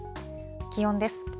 気温です。